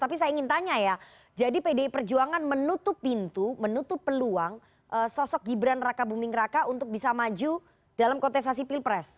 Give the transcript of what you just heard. tapi saya ingin tanya ya jadi pdi perjuangan menutup pintu menutup peluang sosok gibran raka buming raka untuk bisa maju dalam kontestasi pilpres